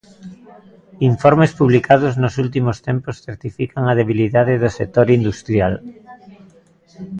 Informes publicados nos últimos tempos certifican a debilidade do sector industrial.